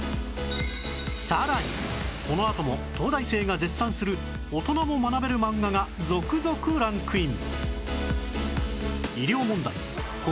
さらにこのあとも東大生が絶賛する大人も学べる漫画が続々ランクイン！